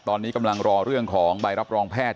ตอนนี้กำลังรอเรื่องของใบรับรองแพทย์